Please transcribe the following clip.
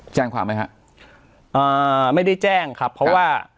แจ้งความไหมฮะอ่าไม่ได้แจ้งครับเพราะว่า